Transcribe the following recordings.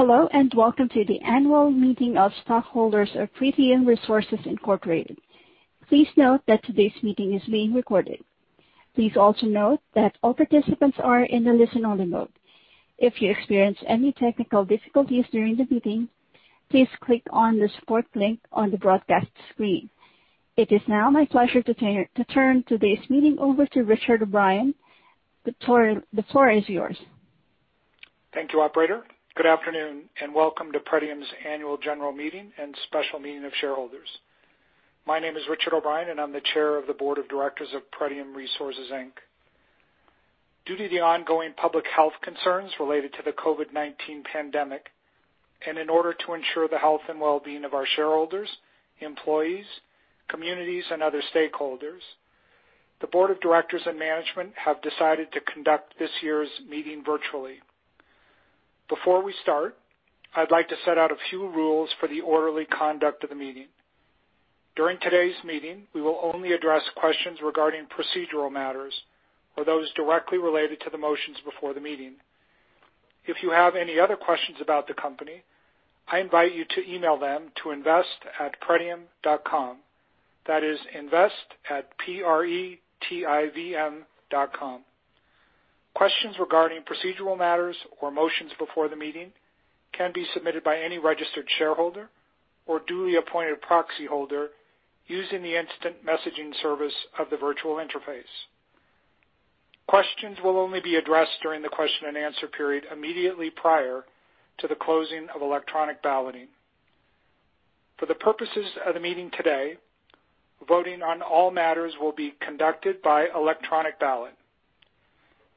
Hello, and welcome to the annual meeting of stockholders of Pretium Resources Inc. Please note that today's meeting is being recorded. Please also note that all participants are in the listen-only mode. If you experience any technical difficulties during the meeting, please click on the support link on the broadcast screen. It is now my pleasure to turn today's meeting over to Richard T. O'Brien. The floor is yours. Thank you, operator. Good afternoon, and welcome to Pretium's annual general meeting and special meeting of shareholders. My name is Richard T. O'Brien. I'm the chair of the board of directors of Pretium Resources Inc. Due to the ongoing public health concerns related to the COVID-19 pandemic, in order to ensure the health and wellbeing of our shareholders, employees, communities, and other stakeholders, the board of directors and management have decided to conduct this year's meeting virtually. Before we start, I'd like to set out a few rules for the orderly conduct of the meeting. During today's meeting, we will only address questions regarding procedural matters or those directly related to the motions before the meeting. If you have any other questions about the company, I invite you to email them to invest@pretivm.com. That is invest@P-R-E-T-I-V-M.com. Questions regarding procedural matters or motions before the meeting can be submitted by any registered shareholder or duly appointed proxy holder using the instant messaging service of the virtual interface. Questions will only be addressed during the question and answer period immediately prior to the closing of electronic balloting. For the purposes of the meeting today, voting on all matters will be conducted by electronic ballot.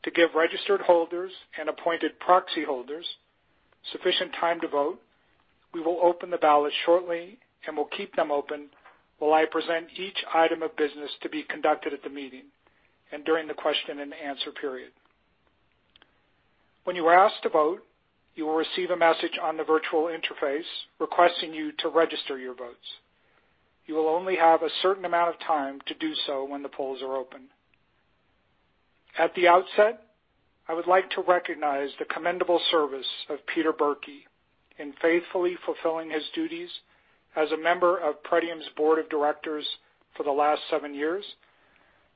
To give registered holders and appointed proxy holders sufficient time to vote, we will open the ballot shortly, and we'll keep them open while I present each item of business to be conducted at the meeting and during the question and answer period. When you are asked to vote, you will receive a message on the virtual interface requesting you to register your votes. You will only have a certain amount of time to do so when the polls are open. At the outset, I would like to recognize the commendable service of Peter Birkey in faithfully fulfilling his duties as a member of Pretium's board of directors for the last seven years,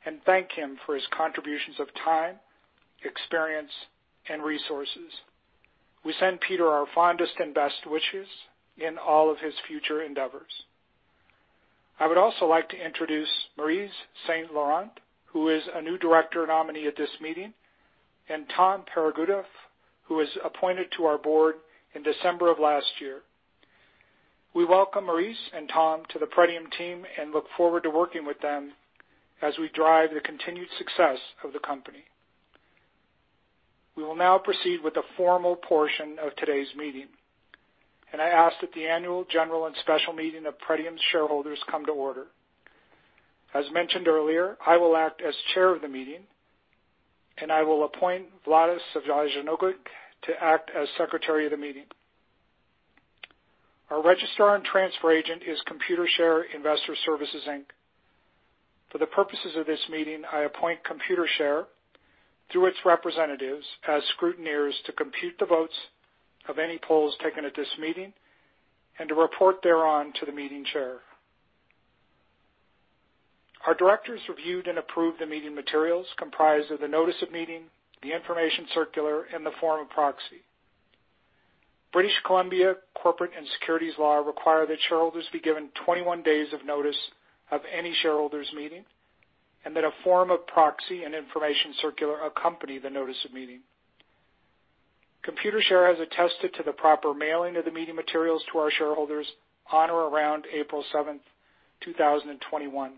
and thank him for his contributions of time, experience, and resources. We send Peter our fondest and best wishes in all of his future endeavors. I would also like to introduce Maurice St. Laurent, who is a new director nominee at this meeting, and Tom Peregoodoff, who was appointed to our board in December of last year. We welcome Maurice and Tom to the Pretium team and look forward to working with them as we drive the continued success of the company. We will now proceed with the formal portion of today's meeting, and I ask that the annual general and special meeting of Pretium's shareholders come to order. As mentioned earlier, I will act as chair of the meeting, and I will appoint Vladimir Cvijetinovic to act as secretary of the meeting. Our registrar and transfer agent is Computershare Investor Services Inc. For the purposes of this meeting, I appoint Computershare, through its representatives, as scrutineers to compute the votes of any polls taken at this meeting and to report thereon to the meeting chair. Our directors reviewed and approved the meeting materials comprised of the notice of meeting, the information circular, and the form of proxy. British Columbia corporate and securities law require that shareholders be given 21 days of notice of any shareholders meeting, and that a form of proxy and information circular accompany the notice of meeting. Computershare has attested to the proper mailing of the meeting materials to our shareholders on or around April 7th, 2021,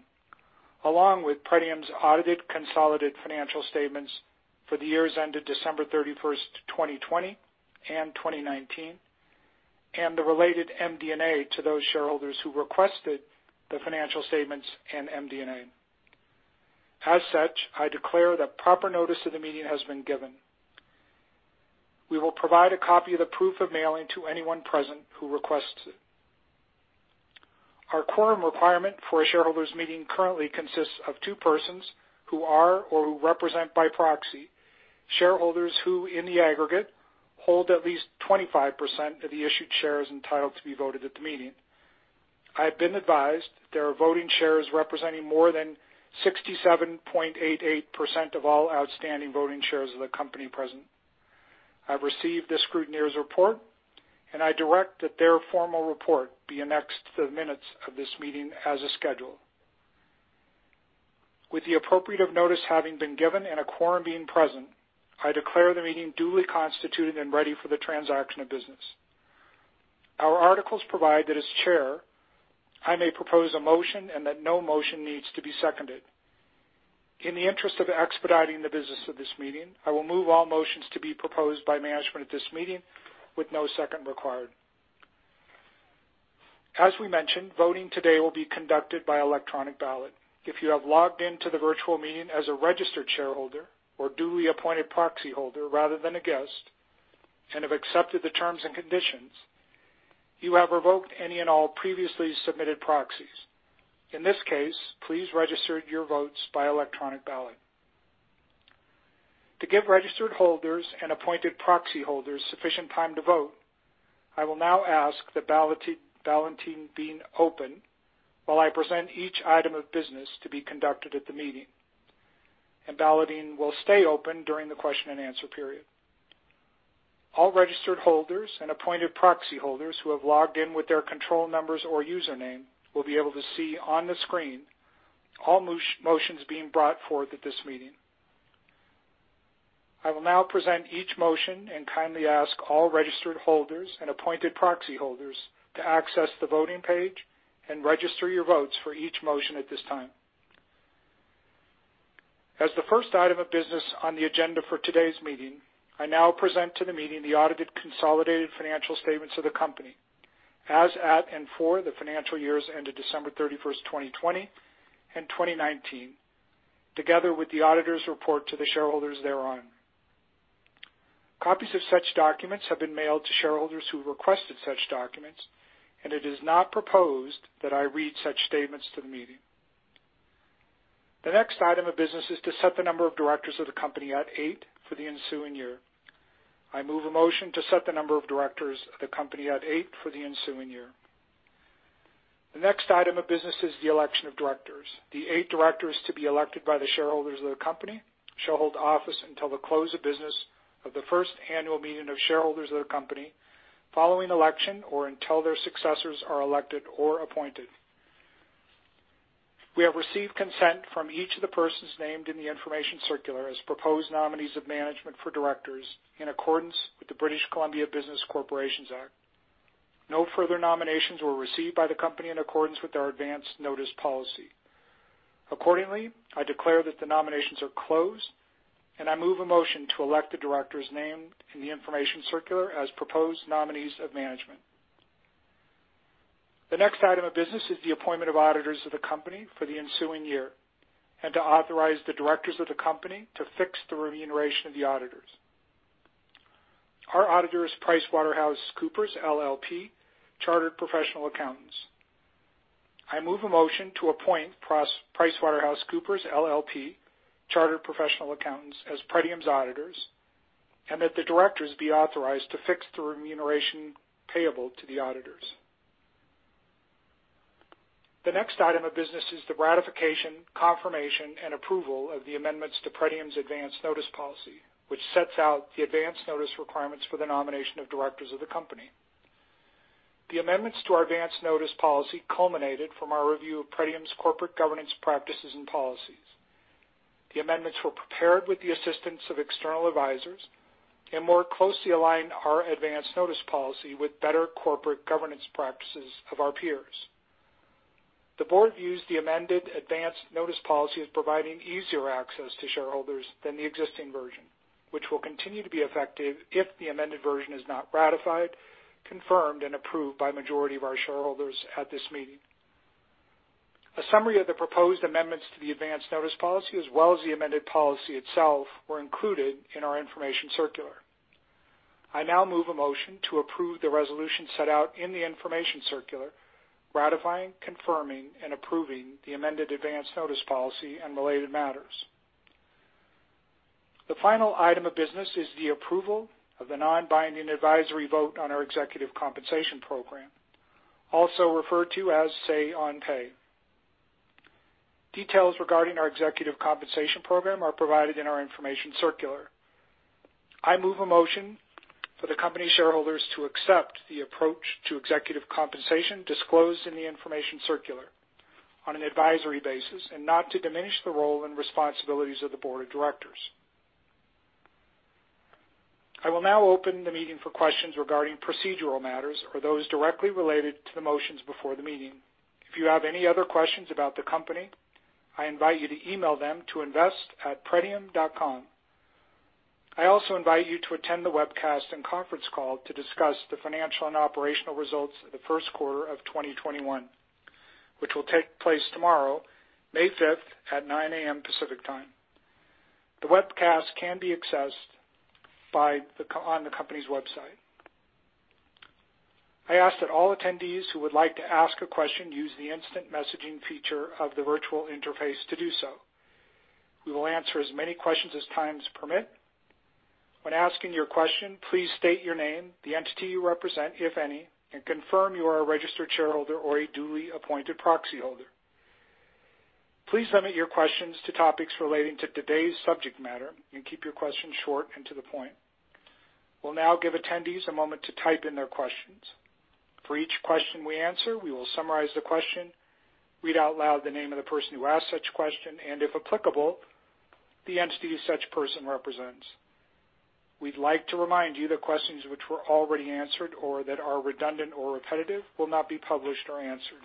along with Pretium's audited consolidated financial statements for the years ended December 31st, 2020 and 2019, and the related MD&A to those shareholders who requested the financial statements and MD&A. As such, I declare that proper notice of the meeting has been given. We will provide a copy of the proof of mailing to anyone present who requests it. Our quorum requirement for a shareholders meeting currently consists of two persons who are, or who represent by proxy, shareholders who, in the aggregate, hold at least 25% of the issued shares entitled to be voted at the meeting. I have been advised there are voting shares representing more than 67.88% of all outstanding voting shares of the company present. I've received the scrutineer's report. I direct that their formal report be annexed to the minutes of this meeting as a schedule. With the appropriate notice having been given and a quorum being present, I declare the meeting duly constituted and ready for the transaction of business. Our articles provide that as chair, I may propose a motion and that no motion needs to be seconded. In the interest of expediting the business of this meeting, I will move all motions to be proposed by management at this meeting with no second required. As we mentioned, voting today will be conducted by electronic ballot. If you have logged into the virtual meeting as a registered shareholder or duly appointed proxy holder rather than a guest and have accepted the terms and conditions, you have revoked any and all previously submitted proxies. In this case, please register your votes by electronic ballot. To give registered holders and appointed proxy holders sufficient time to vote, I will now ask that balloting be open while I present each item of business to be conducted at the meeting. Balloting will stay open during the question and answer period. All registered holders and appointed proxy holders who have logged in with their control numbers or username will be able to see on the screen all motions being brought forth at this meeting. I will now present each motion and kindly ask all registered holders and appointed proxy holders to access the voting page and register your votes for each motion at this time. As the first item of business on the agenda for today's meeting, I now present to the meeting the audited consolidated financial statements of the company as at and for the financial years ended December 31st, 2020 and 2019, together with the auditors report to the shareholders thereon. Copies of such documents have been mailed to shareholders who requested such documents, and it is not proposed that I read such statements to the meeting. The next item of business is to set the number of directors of the company at eight for the ensuing year. I move a motion to set the number of directors of the company at eight for the ensuing year. The next item of business is the election of directors. The eight directors to be elected by the shareholders of the company shall hold office until the close of business of the first annual meeting of shareholders of the company following election or until their successors are elected or appointed. We have received consent from each of the persons named in the information circular as proposed nominees of management for directors in accordance with the British Columbia Business Corporations Act. No further nominations were received by the company in accordance with our advance notice policy. Accordingly, I declare that the nominations are closed, and I move a motion to elect the directors named in the information circular as proposed nominees of management. The next item of business is the appointment of auditors of the company for the ensuing year, and to authorize the directors of the company to fix the remuneration of the auditors. Our auditor is PricewaterhouseCoopers LLP, chartered professional accountants. I move a motion to appoint PricewaterhouseCoopers LLP, chartered professional accountants, as Pretium's auditors, and that the directors be authorized to fix the remuneration payable to the auditors. The next item of business is the ratification, confirmation, and approval of the amendments to Pretium's advance notice policy, which sets out the advance notice requirements for the nomination of directors of the company. The amendments to our advance notice policy culminated from our review of Pretium's corporate governance practices and policies. The amendments were prepared with the assistance of external advisors and more closely align our advance notice policy with better corporate governance practices of our peers. The board views the amended advance notice policy as providing easier access to shareholders than the existing version, which will continue to be effective if the amended version is not ratified, confirmed, and approved by a majority of our shareholders at this meeting. A summary of the proposed amendments to the advance notice policy as well as the amended policy itself were included in our information circular. I now move a motion to approve the resolution set out in the information circular ratifying, confirming, and approving the amended advance notice policy and related matters. The final item of business is the approval of the non-binding advisory vote on our executive compensation program, also referred to as Say on Pay. Details regarding our executive compensation program are provided in our information circular. I move a motion for the company shareholders to accept the approach to executive compensation disclosed in the information circular on an advisory basis and not to diminish the role and responsibilities of the board of directors. I will now open the meeting for questions regarding procedural matters or those directly related to the motions before the meeting. If you have any other questions about the company, I invite you to email them to invest@pretivm.com. I also invite you to attend the webcast and conference call to discuss the financial and operational results of the first quarter of 2021, which will take place tomorrow, May 5th at 9:00 A.M. Pacific Time. The webcast can be accessed on the company's website. I ask that all attendees who would like to ask a question use the instant messaging feature of the virtual interface to do so. We will answer as many questions as times permit. When asking your question, please state your name, the entity you represent, if any, and confirm you are a registered shareholder or a duly appointed proxy holder. Please limit your questions to topics relating to today's subject matter and keep your questions short and to the point. We'll now give attendees a moment to type in their questions. For each question we answer, we will summarize the question, read out loud the name of the person who asked such question, and if applicable, the entity such person represents. We'd like to remind you that questions which were already answered or that are redundant or repetitive will not be published or answered.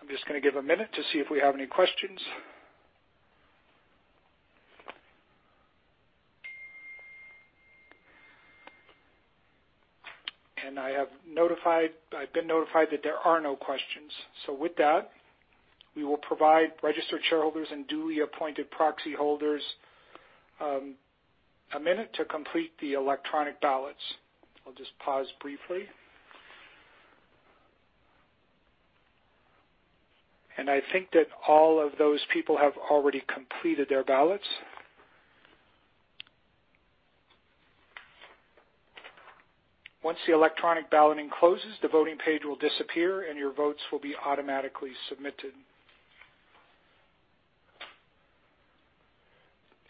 I'm just going to give a minute to see if we have any questions. I've been notified that there are no questions. With that, we will provide registered shareholders and duly appointed proxy holders one minute to complete the electronic ballots. I'll just pause briefly. I think that all of those people have already completed their ballots. Once the electronic balloting closes, the voting page will disappear, and your votes will be automatically submitted.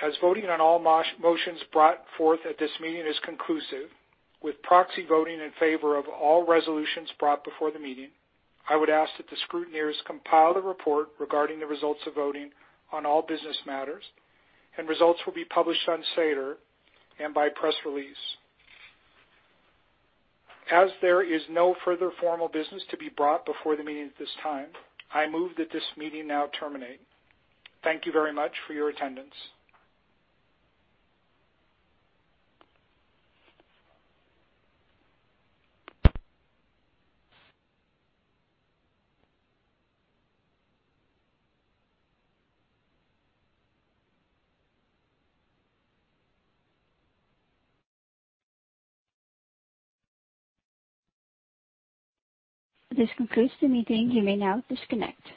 As voting on all motions brought forth at this meeting is conclusive, with proxy voting in favor of all resolutions brought before the meeting, I would ask that the scrutineers compile the report regarding the results of voting on all business matters, and results will be published on SEDAR and by press release. As there is no further formal business to be brought before the meeting at this time, I move that this meeting now terminate. Thank you very much for your attendance. This concludes the meeting. You may now disconnect.